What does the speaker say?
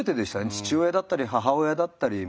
父親だったり母親だったり。